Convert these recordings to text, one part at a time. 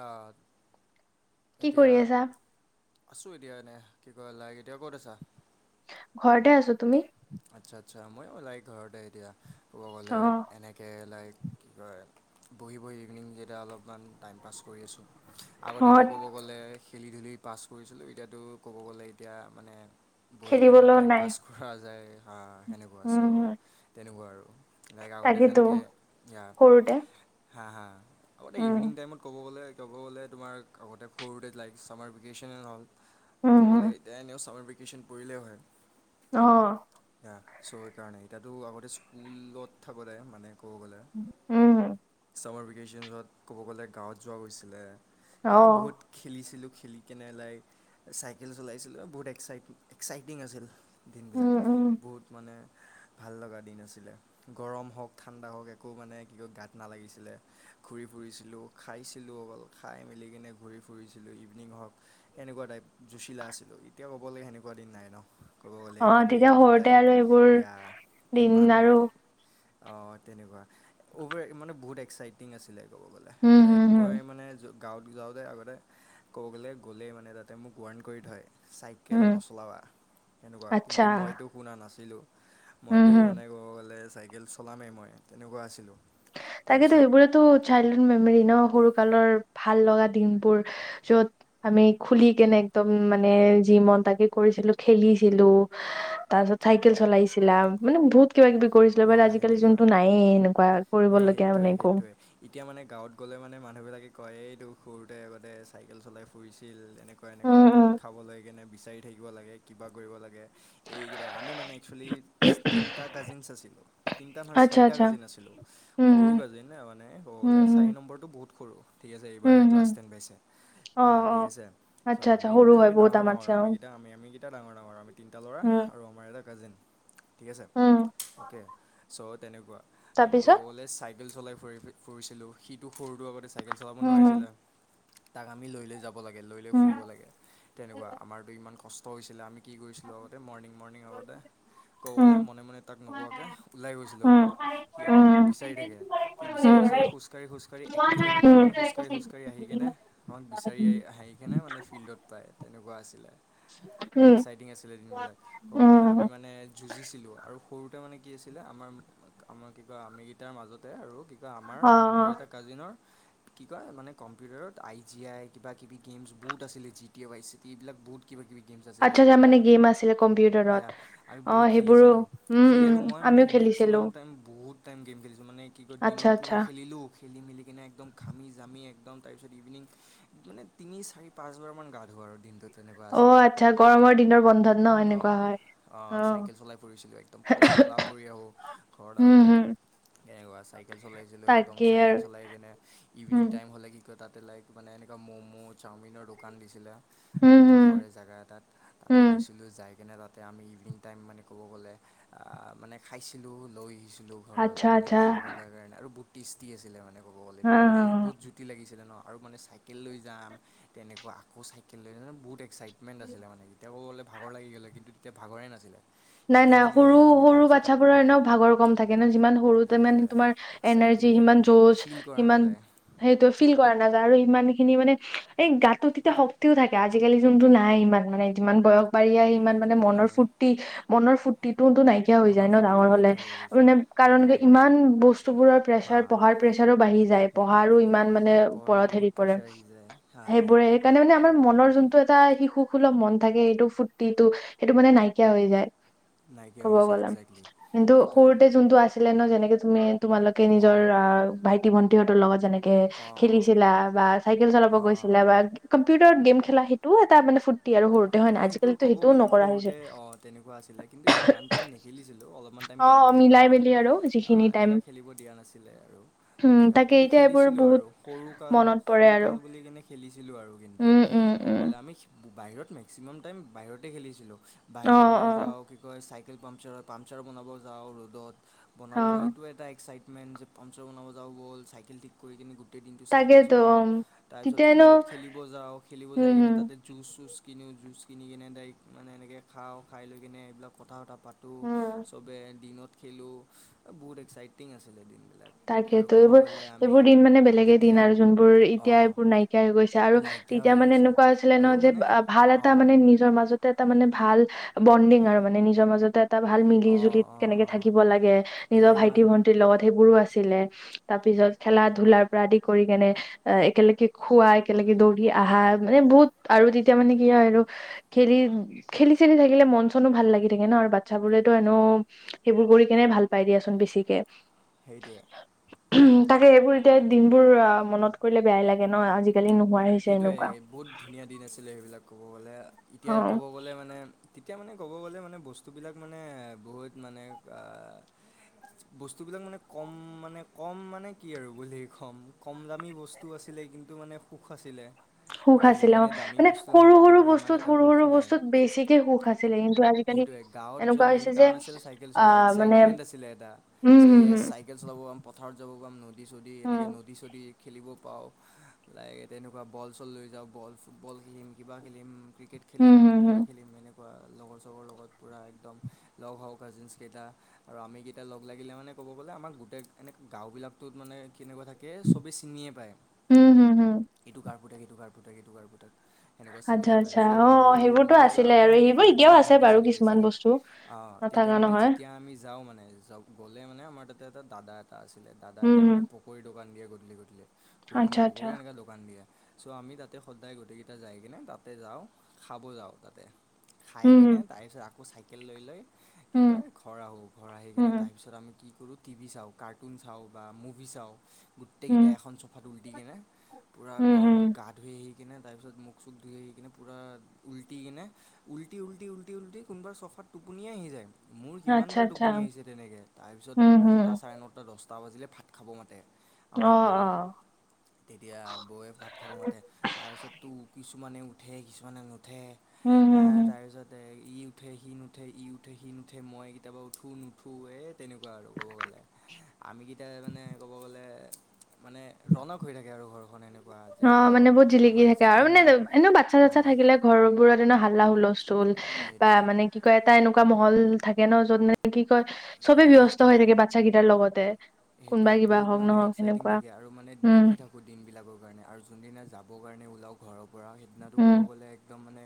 অহ, কি এতিয়া কৰি আছা? আছোঁ এতিয়া এনে, কি কয় লাইক এতিয়া ক'ত আছা? ঘৰতে আছোঁ, তুমি? আচ্ছা, আচ্ছা, ময়ো লাইক ঘৰতে এতিয়া, ক'ব গ'লে অ', এনেকে লাইক কি কয় বহি বহি ইভিনিংকেইয়া অলপমান টাইম পাছ কৰি আছোঁ, আগতেটো ঘৰত ক'ব গ'লে খেলি ধূলি পাছ কৰিছিলোঁ এতিয়াটো ক'ব গ'লে এতিয়া মানে বহি কিনে খেলিবলৈও টাইম নাই। পাছ কৰা যায় হা, সেনেকুৱা উম, হুম, চ' তেনেকুৱা আৰু লাইক আগতে তাকেতো যেনেকে আ সৰুতে হা, হা, আগতে উম, ইভিনিং টাইমত ক'ব গ'লে ক'বলৈ গ'লে তোমাৰ আগতে সৰুতে লাইক ছামাৰ ভেকেশ্যনে হ'ল। উম, হুম, ক'বলৈ এতিয়া এনেও ছামাৰ ভেকেশ্যন পৰিলেই হয়। অ'। য়া চ' সেইকাৰণে এতিয়াটো আগতে স্কুলত থাকোঁতে মানে ক'ব গ'লে, উম, ছামাৰ ভেকেশ্যনত ক'ব গ'লে গাঁৱত যোৱা হৈছিলে। ইয়া অ', বহুত খেলিছিলোঁ খেলি কেনে লাইক চাইকেল চলাইছিলোঁ বহুত এক্সাইট এক্সাইটিং আছিল। দিনবিলাক উম, উম, বহুত মানে ভাল লগা দিন আছিলে। গৰম হওঁক ঠাণ্ডা হওঁক একো মানে কি কয় গাত নালাগিছিলে ঘূৰি ফুৰিছিলোঁ। খাইছিলোঁ অকল খাই মেলি কিনে ঘূৰি ফুৰিছিলোঁ ইভিনিং হওঁক এনেকুৱা টাইপ, যুঁছিলা আছিলো, এতিয়া ক'ব লাগে সেনেকুৱা দিন নাই ন ক'ব গ'লে অ', এতিয়াতো তেতিয়া ইভিনিং সৰুতে টাইম আৰু এইবোৰ এইয়া দিন ইমান আৰু অ তেনেকুৱা অভাৰ মানে বহুত এক্সাইটিং আছিলে ক'ব গ'লে। উম, লাইক হুম, হুম, মই মানে য গাঁৱত যাওঁতে আগতে ক'ব গ'লে গ'লেই মানে তাতে মোক ৱৰ্ণ কৰি থয়। চাইকেল উম, নচলাবা, তেনেকুৱা আচ্ছা, কিন্তু মইটো শুনা নাছিলোঁ। উম, মইতো হুম, মানে ক'ব গ'লে চাইকেল চলামেই মই তেনেকুৱা আছিলোঁ। তাকেতো তাৰপিছত সেইবোৰেতো চাইল্ডহুড মেমৰী ন', সৰু কালৰ ভাল লগা দিনবোৰ য'ত আমি খুলি কেনে একদম মানে, যি মন তাকে কৰিছিলো, খেলিছিলো। তাৰপিছত চাইকেল চলাইছিলা, মানে বহুত কিবা কিবি কৰিছিলো, বাত সেয়া আজিকালি সেনেকুৱা যোনটো নায়েই এনেকুৱা। সেই, সেইটোৱে, সেইটোৱে। এতিয়া মানে গাঁৱত গ'লে মানে মানুহ বিলাকে কয়, এইটো সৰুতে আগতে চাইকেল চলাই ফুৰিছিল। তেনেকুৱা এনেকুৱা উম ভাত উম খাবলৈ কেনে বিচাৰি থাকিব লাগে কিবা কৰিব লাগে। এইকেইটা, আমি মানে এক্সোৱেলি তিনিটা কাজিনছ আছিলো। তিনিটা নহয় আচ্ছা চাৰিটা আচ্ছা কাজিন আছিলো, উম সৰু হম কাজিন মানে ক'ব উম গ'লে হম চাৰি নম নম্বৰটো বহুত সৰু ঠিক আছে উম এইবাৰহে ক্লাছ হম টেন পাইছে অ অ ঠিক আছে। আচ্ছা চ' আচ্ছা আমি সৰু মানে হয় আমি বহুত ডাঙৰ ডাঙৰ আমাতছে অ আমি কেইটা আমি কেইটা ডাঙৰ ডাঙৰ আমি তিনিটা ল'ৰা উম আৰু আমাৰ এটা কাজিন ঠিক আছে উম অ'কে। চ' তেনেকুৱা আমি ক'ব তাৰপিছত গ'লে চাইকেল চলাই ফুৰি ফুৰিছিলোঁ সিটো সৰুটো আগতে চাইকেল চলাব উম হম নোৱাৰিছিলে তাক আমি লৈ লৈ যাও লৈ লৈ উম ফুৰিব লাগে তেনেকুৱা আমাৰতো ইমান কষ্ট হৈছিলে আমি কি কৰিছিলোঁ আগতে মৰ্ণিং মৰ্ণিং আগতে উম ক'ৰবালৈ মনে মনে তাক নোকোৱাকে ওলাই গৈছিলোঁ উম আগতে সি উম আমাক বিচাৰি থাকে। সি বিচাৰি উম বিচাৰি খোজ কাঢ়ি খোজ কাঢ়ি এক কিলোমিটাৰমান খোজ কাঢ়ি খোজ কাঢ়ি আহি কেনে আমাক বিচাৰি আহিকেনে মানে ফিল্ডত পায়, তেনেকুৱা আছিলে। উম এক্সাইটিং আছিলে দিনবিলাক, ক'ব গ'লে উম আমি মানে যুঁজিছিলো আৰু সৰুতে মানে কি আছিল -ছিলে আমাৰ আমাৰ কি কয় আমিকেইটাৰ মাজতে আৰু কি কয় আমাৰ অ অ মোৰ এটা কাজিনৰ কি কয় মানে, কম্পিউটাৰত আই জি আই, কিবা কিবি গেমছ বহুত আছিলে G T A Y C T এইবিলাক বহুত কিবা কিবি গেমছ আছিলে, আচ্ছা তাৰ মানে গেম আছিলে কম্পিউটাৰত য়া আমি অ বহুত সেইবোৰো খেলিছিলোঁ। উম সি উম আৰু মই মানে আমিও খেলিছিলো মেক্সিমাম বহুত টাইম গেম খেলিছোঁ, মানে কি কয় আচ্ছা দিনত আচ্ছা পূৰা খেলিলোঁ খেলি মেলিকেনে একদম ঘামি জামি একদম, তাৰপিছত ইভিনিং মানে তিনি, চাৰি, পাঁচ বাৰ মান গা ধো আৰু দিনটোত। তেনেকুৱা অ আছিলে আচ্ছা গৰমৰ দিনৰ বন্ধত ন অ এনেকুৱা হয় অ চাইকেল চলাই ফুৰিছিলোঁ একদম ক'লা ম'লা পৰি আহো ঘৰত উম আহোঁতে হম কেনেকুৱা চাইকেল চলাইছিলোঁ একদম, তাকেই চাইকেল আৰু চলাই কেনে ইভিনিং উম টাইম হ'লে কি কয় তাতে লাইক মানে এনেকুৱা ম'ম', চাওমিনৰ দোকান দিছিলে উম হম কাষৰে জেগা এটাত। তাতে উম গৈছিলোঁ যাই কিনে তাতে আমি ইভিনিং টাইম মানে ক'ব গ'লে মানে খাইছিলোঁ লৈ আহিছিলোঁ ঘৰত আচ্ছা মানে আচ্ছা খাবলৈ কাৰণে আৰু বহুত টেষ্টি আছিলে মানে। ক'ব গ'লে, হা হা [unintelligible] [unintelligible] লাগিছিলে ন' আৰু মানে চাইকেল লৈ যাম, তেনেকুৱা আকৌ চাইকেল লৈ বহুত এক্সাইটমেণ্ট আছিলে মানে, এতিয়া গ'লে ভাগৰ লাগি গ'লে হয়, কিন্তু তেতিয়া ভাগৰে নাছিলে। নাই, খেলি নাই, মেলি সৰু, আহি কেনে সৰু তাৰপিছত বাচ্ছা আকৌ পুৰা এনেও ভাগৰ কম থাকে ন', যিমান সৰুতে ইমান সেইটোৱে তোমাৰ এক্সাইটিং এনাৰ্জি, থাকে সিমান যজ, ফিল কৰা সিমান নাযায় সেইটো ফিল কৰা নাযায়, আৰু ইমানখিনি মানে, এই গাটোত তেতিয়া শক্তিও থাকে, আজি আজিকালি যোনটো নাই, ইমান মানে যিমান বয়স বাঢ়ি আহি ইমান মানে এতিয়াতো মনৰ নাই ফূৰ্তি, মনৰ ফূতিটোওটো নাইকিয়া হৈ মনৰ যায় ন ফূৰ্তিটো ডাঙৰ হ'লে, নাইকিয়া হৈ গৈছে মানে কাৰণ কি, সেইটোৱে ইমান বস্তুবোৰৰ হা প্ৰেচাৰ, পঢ়াৰ প্ৰেচাৰো বাঢ়ি যায়। সেইটোৱে পঢ়াৰো ইমান মানে পঢ়াৰ পৰত হেৰি বহুত পৰে, প্ৰেছাৰ আহি যায় হা সেইবোৰে সেইটোৱে সেইকাৰণে, মানে ক'ব আমাৰ গ'লে মনৰ যোনটো এটা শিশু সুলভ মন থাকে, সেইটো ফূৰ্তিটো, সেইটো মানে নাইকিয়া হৈ যায়। নাইকিয়া ক'ব হৈ যায় গ'লে, একজেক্টলি কিন্তু সেইটোৱে সৰুতে যোনটো আছে ছিলে ন, যেনেকে তুমি তোমালোকে নিজৰ, অঁ ভাইটি-ভন্টিহঁতৰ লগত যেনেকে অঁ অঁ খেলিছিলা বা চাইকেল চলাব অঁ অঁ গৈছিলা বা, কম্পিউটাৰত গেম খেলা, সেইটো এটা মানে ফু ফূৰ্তি আৰু সৰুতে, হয় নাই, এই সেইটো আজিকালিতো ক'ব সেইটোও গ'লে নকৰা হৈছে। সৰুতে অঁ তেনেকুৱা আছ ছিলে কিন্তু, ইমান টাইম নেখেলিছিলোঁ, অলপমান টাইম অ খেলিব দিয়ে, মিলাই কাৰণ মেলি আৰু যিখিনি টাইম এনেকুৱা খেলিব দিয়া নাছিলে আৰু। উম এনেকা, তাকে কিন্তু এতিয়া এইবোৰ খেলিছিলোঁ বহুত আৰু, সৰুকাল, মনত পৰে আৰু সৰুকাল বুলি কিনে খেলিছিলোঁ আৰু কিন্তু। উম উম উম ক'বলে আমি বাহিৰত মেক্সিমাম টাইম বাহিৰতে খেলিছিলোঁ, অ বাহিৰত অ ওলাই যাওঁ কি কয় চাইকেল পামচাৰত পামচাৰ বনাব যাওঁ ৰ'দত, অ বনাব যাওঁ, সেইটো এটা এক্সাইটমেণ্ট যে পামচাৰ বনাবা যাওঁ ব'ল, চাইকেল ঠিক কৰি কিনে গোটেই দিনটো চাইকেল তাকেতো চলাওঁ, তাৰপিছত তেতিয়ানো ফিল্ডত খেলিব যাওঁ, খেলিব উম যাই কিনে হম তাতে জুচ-চুচ কিনো, জুচ কিনি, কিনে ডাইৰেক্ট মানে এনেকৈ খাওঁ, খাই লৈ কিনে এইবিলাক কথা পতা পাতো, উম চবে দিনত খেলো, বহুত এক্সাইটিং আছিলে দিনবিলাক। আৰু তাকেতো, ক'ব এইবোৰ গ'লে আমি এইবোৰ দিন মানে বেলেগে দিন তেতিয়া আৰু, যোনবোৰ এতিয়া অঁ এইবোৰ নাইকিয়া হৈ গৈছে। আৰু নাইকিয়া তেতিয়া হৈ মানে, গৈছে এনেকুৱা আছিলে ন আৰু যে, মানে ভাল এটা অঁ মানে নিজৰ মাজত এটা মানে ভাল, বণ্ডিং আৰু মানে, নিজৰ মাজতে। এটা ভাল অঁ মিলি-জুলি অঁ কেনেকে অঁ থাকিব লাগে, তেতিয়া নিজৰ ইমান ভাইটি-ভন্টিৰ লগত সেইবোৰো আছে। ছিলে, তাৰপিছত খেলা-ধূলাৰ পৰা আদি কৰি কেনে একেলগে খোৱা, একেলগে দৌৰি আহা মানে, বহুত আৰু তেতিয়া মানে কি হয়, আৰু খেলি, খেলি-চেলি থাকিলে মন-চনো ভাল লাগি থাকে ন, আৰু বাচ্ছাবোৰেতো এনেও সেইবোৰ কৰি কেনে, ভাল পাই দিয়াচোন বেছিকে। সেইটোৱে। তাকে এইবোৰ এতিয়া, দিনবোৰ মনত কৰিলে বেয়াই লাগে ন, আজি। সেইটোৱে বহুত ধুনীয়া দিন আছিলে, সেইবিলাক ক'ব গ'লে, এতিয়া অ' ক'ব গ'লে মানে তেতিয়া মানে, ক'ব গ'লে মানে, বস্তুবিলাক মানে, বহুত মানে বস্তুবিলাক মানে, কম মানে, কম মানে কি আৰু, বুলি কম, কম দামী বস্তু টো আছিলে, কিন্তু মানে সুখ আছিলে। সুখ এতিয়া আছিলে অ', যিমানেই দামী মানে বস্তু সৰু, নহওক কিয় সৰু সিমান বস্তুত, এটা সৰু সুখ সৰু নাই বস্তুত, বেছিকে সুখ আছিলে। কিন্তু আজি সেইটোৱে গাঁৱত যোৱা মেইন কাৰণ আছিল, চাইকেল চলোৱা, আহ মানে এক্সাইটমেণ্ট আছিলে এটা, উম যে, এই চাই হম চাইকেল চলাব পাম, পথাৰত যাব পাম, নদী-চদী হম এনেকৈ নদী-চদী খেলিব পাওঁ, লাইক তেনেকুৱা বল-চল লৈ যাওঁ, বল ফুটবল খেলিম, কিবা খেলিম, ক্ৰিকেট উম খেলিম, হম হম কিবা হম খেলিম এনেকুৱা। এনেকোৱা লগৰ-চগৰ লগত, পুৰা একদম লগ হওঁ, কাজিনছ কেইটা। আৰু আমি কেইটা, লগ-লাগিলে মানে ক'ব গ'লে, আমাক গোটেই এনেক গাঁওবিলাকত মানে, কেনেকুৱা থাকে কে চবেই চিনিয়ে পায়। উম্, হুম্, হুম্। এইটো কাৰ পুতেক, এইটো কাৰ পুতেক, এইটো কাৰ পুতেক সেনেকুৱা আচ্ছা চিনিয়ে পায় আচ্ছা ছ' মোৰ অ' সেইবোৰতো মোৰ আছিলে গাঁৱতে আৰু সেনেকে সেইবোৰ ভাল এতিয়াও বহুত আছে ভালকে বাৰু চিনি কিছুমান পাইছিলে। বস্তু অ্ তেতিয়া নাথাকা মানে নহয় যেতিয়া আমি যাওঁ মানে যাও গ'লে মানে আমাৰ তাতে এটা দাদা এটা আছিলে দাদা উম এটাই মানে হম পকৰী দোকান দিয়ে গধূলি গধূলি। ঘুগুনি, আচ্ছা আচ্ছা পকৰি এনেকা দো কান দিয়ে, চ' আমি তাতে সদায় গোটেইকেইটা যাই কিনে তাতে যাওঁ খাব যাওঁ তাতে। খাই উম কেনে তাৰপিছত আকৌ চাইকেল লৈ লৈ কি হম কয় ঘৰ আহো, ঘৰ আহি কিনে উম উম তাৰপিছত আমি কি কৰোঁ টিভি চাওঁ, কাৰ্টুন চাওঁ, বা মুভি চাওঁ উম গোটেইকেইটাই এখন চোফাত উলটি কিনে পুৰা উম উম গৰমত গা ধুই আহি কিনে তাৰপিছত মুখ চুখ ধুই আহি কিনে পুৰা উলটি কিনে উলটি উলটি উলটি উলটি কোনবা চফাত টোপনিয়েই আহি যায় মোৰ কিমান আচ্ছা বাৰ আচ্ছা টোপনি আহিছে তেনেকে তাৰপিছত উম হম নটা চাৰে নটা দছ টা বাজিলে ভাত খাব মাতে আমাৰ অ' বৌৱে অ' তেতিয়া বৌয়ে ভাত খাব মাতে তাৰপিছতো কিছুমানে উঠে কিছুমানে নুঠ ঠে উম এ হম হম তাৰ পিছতে ই উঠে সি নুঠে ই উঠে সি নুঠে মই কেতিয়াবা উঠো নুঠোৱে তেনেকুৱা আৰু ক'ব গ'লে আমিকেইটাই মানে ক'ব গ'লে মানে ৰনক হৈ থাকে আৰু ঘৰখন এনেক অ মানে বহুত জিলিকি থাকে আৰু মানে এনেও বাচ্ছা চাচ্ছা অঁ থাকিলে ঘৰ বোৰত এনেও হাল্লা হুলস্থুল বা সেইটোৱে মানে কি কয় এটা এনেকুৱা মহল থাকে ন যত ন কি কয় চবে ব্যস্ত হৈ সেইটোৱে থাকে বাচ্ছা কেইটাৰ লগতে কোনোবা সেইটোৱে কিবা বহুত হওক মানে নহওক এক্সাইটিং সেনেকুৱা থাকে আৰু মানে উম ৰখি থাক কো দিন বিলাকৰ কাৰণে আৰু যোনদিনা যাব কাৰণে ওলাও ঘৰৰ পৰা সেইদিনাটো ক'ব উম গ'লে একদম মানে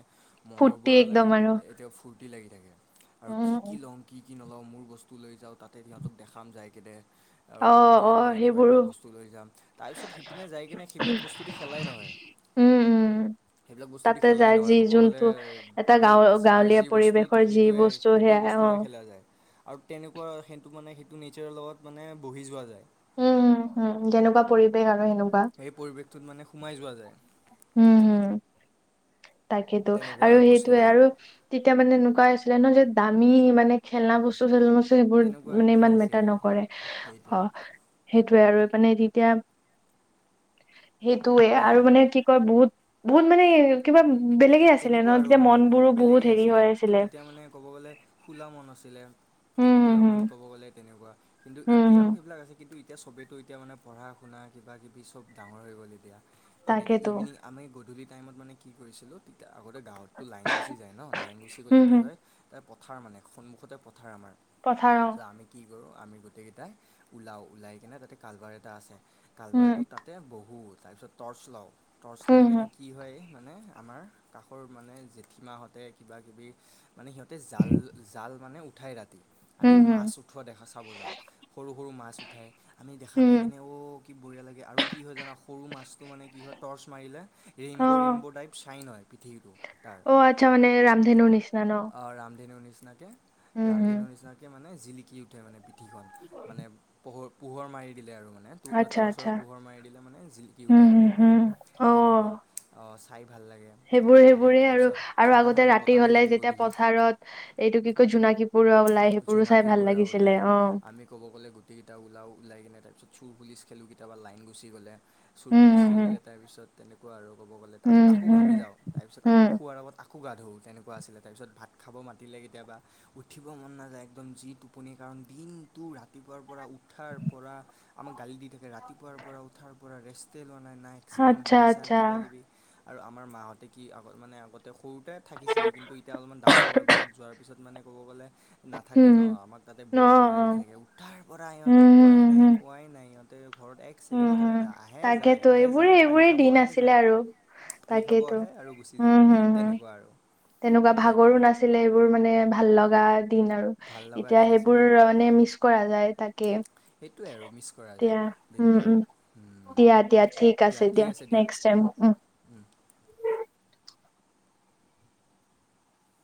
মনৰ ফূৰ্তি পৰা একদম লাইক আৰু এতিয়া ফূৰ্তি লাগি থাকে আৰু কি কি উম লওঁ কি কি নলওঁ মোৰ বস্তু লৈ যাওঁ তাতে সিহঁতক দেখাম যায় কেনে আৰু অ ক'ব অ গ'লে মই এনেকুৱা সেইবোৰো এনেকুৱা বস্তু লৈ যাম তাৰপিছত সিপিনে যাই কিনে সেইবিলাক বস্তু দি খেলাই নহয় উম উম সেইবিলাক বস্তু দি তাতে খেলাই যাই যি নহয় ক'ব গ'লে যোনটো এটা তাতে গাঁও যাৰ গাঁৱলীয়া যি বস্তু পৰিৱেশৰ যি সেইটোৱে বস্তু সেইটো সেয়া অ বস্তুৰে খেলা যায় আৰু তেনেকুৱা সেইটো সেইটো নেচাৰৰ লগত মানে বহি যোৱা যায় উম উম হম যেনেকুৱা পৰিৱেশ আৰু সেনেকুৱা সেই পৰিৱেশটোত মানে সোমাই যোৱা যায় উম হম তাকেইতো তেনেকুৱা আৰু সেইটোৱে বস্তুবিলাক আৰু তেতিয়া মানে এনেকুৱাই হৈছিলে নহয় যে দামী মানে খেলা বস্তু চেলনা বস্তু সেইবোৰ তেনেকুৱা মানে একো ইমান মেটাৰ নাছিলে নকৰে অ সেইটোৱে সেইটোয়ে আৰু মানে তেতিয়া সেইটোয়ে আৰু অঁ মানে কি কয় বহুত বহুত মানে কিবা এইটো বেলেগে আছিলে ন তেনেকুৱা আৰু তেতিয়া মানে মন বোৰো বহুত বেলেগেই হেৰি হৈ আছিলে তেতিয়া মানে ক'ব গ'লে খুলা মন আছিলে উম খুলা হম মন হম ক'ব গ'লে তেনেকুৱা কিন্তু হম হম এতিয়াও সেইবিলাক আছে কিন্তু এতিয়া চবেইতো এতিয়া মানে পঢ়া শুনা কিবা কিবি চব ডাঙৰ হৈ গ'ল এতিয়া তেনেকে তাকেতো ইভিনিং আমি গধূলি টাইমত মানে কি কৰিছিলোঁ তেতিয়া আগতে গাঁৱততো লাইন গুচি যায় ন লাইন গুচি গ'লে উম কি হম হয় এই পথাৰ মানে সন্মুখতে পথাৰ আমাৰ পথাৰ অ তে' আমি কি কৰোঁ আমি গোটেইকেইটাই ওলাওঁ ওলাই কিনে তাতে কালভাৰ এটা আছে উম কালভাৰটো তাতে বহো তাৰপিছত টৰ্চ লওঁ টৰ্চ হম লৈ কেনে হম কি হয় মানে আমাৰ কাষৰ মানে জেঠীমাহঁতে কিবাকিবি মানে সিহঁতে জাল জাল মানে উঠাই ৰাতি আমি উম হম মাছ উঠোৱা দেখা চাব যাওঁ সৰু সৰু মাছ উঠায় আমি দেখা উম পাই কিনে অ কি বঢ়িয়া লাগে আৰু কি হয় জানা সৰু মাছটো মানে কি হয় টৰ্চ মাৰিলে অ ৰেইনব' ৰেইনব' টাইপ চাইন হয় পিঠিটো তাৰ অ আচ্ছা মানে ৰামধেনুৰ নিচিনা ন অ ৰামধেনুৰ নিচিনাকে উম হম ৰামধেনুৰ নিচিনাকৈ মানে জিলিকি উ ঠে মানে পিঠিখন মানে পোহৰ পোহৰ মাৰি দিলে আৰু মানে টো আচ্ছা টৰ্চৰ আচ্ছা পোহৰ মাৰি দিলে মানে জিলিকি উঠে উম মানে হম পুৰা হম অ তেনেকুৱা অঁ চাই ভাল লাগে। সেইবোৰ সেইবোৰেই আৰু তাৰপিছত আৰু ঠাণ্ডা আগতে ঠাণ্ডা ৰাতি বতাহ দি হ'লে থাকে যেতিয়া গধূলি পথাৰত এইটো কি কয় জোনাকী পৰুৱা ওলাই সেইবোৰো চাই ভাল জোনাকীপৰুৱা লাগিছিলে ওলায় অ আমি ক'ব গ'লে গো টেইকিতা উলাও ওলাই কেনে তাৰপিছত চুৰ পুলিচ খেলো কেতিবা লাইন গুচি গ'লে। চুৰ উম পুলিচ হম হম খেলিলে তাৰপিছত তেনেকুৱা আৰু ক'ব গ'লে আকৌ উম আকৌ হম ঘামি যাওঁ। তাৰপিছত আকৌ হম শুৱাৰ আগত আকৌ গা ধুও। তেনেকুৱা আছিলে, তাৰপিছত ভাত খাব মাতিলে কেতিয়াবা উঠিব মন না যায় একদম যি টোপনি, কাৰণ দিনটো ৰাতিপুৱাৰ পৰা উঠাৰ পৰা আমাক গালি দি থাকে ৰাতিপুৱাৰ পৰা উঠাৰ পৰা ৰেষ্টে লোৱা নাই, নাই। এক ছেকেণ্ড আচ্ছা বহিছা আচ্ছা কিবাকিবি। আৰু আমাৰ মাহঁতে কি আগ মানে আগতে সৰুতে থাকিছিলে কিন্তু এতিয়া অলপমান ডাঙৰ হোৱাৰ পিছত যোৱাৰ পিছত মানে ক'ব গ'লে। নাথাকে হম ন, আমাক তাতে অ বৌহতে অ গালি দি থাকে। উঠাৰ পৰা উম সিহঁতে শুৱাই হম হম নাই, হম শুৱাই নাই ইহঁ তে ঘৰত এক উম ছেকেণ্ডো থাকে হম নাই। আহে যায়, তাকেতো আহে এইবোৰে যায়, পানী এইবোৰে খাব দিন আহে আছিলে যায়। আৰু পানী খাব তাকেইতো আহে আৰু গুচি যায়, তেনেকুৱা আৰু। তেনেকুৱা সেইটোৱে ভাগৰো নাছিলে। এইবোৰ মানে ভাল লগা দিন আৰু। ভাল লগা এতিয়া দিন সেইবোৰ আছিলে মানে মিচ কৰা যায় তাকে। সেইটোৱে আৰু মিছ কৰা যায় দিয়া, উম দিনবিলাক উম। দিয়া দিয়া ঠিক আছে দিয়া নেক্সট। [unintelligible] উম উম